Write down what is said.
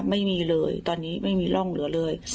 ไม่มีเลยตอนนี้ไม่มีร่องเหลือเลย